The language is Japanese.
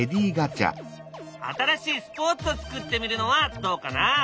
新しいスポーツを作ってみるのはどうかな？